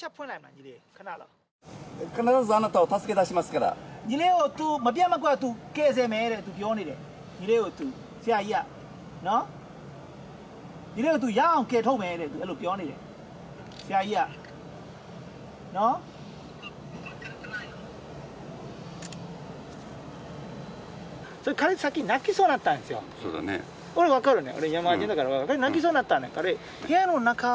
必ずあなたを助け出しますからそうだね俺分かるね